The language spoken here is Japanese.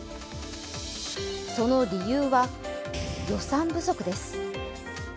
その理由は、予算不足です。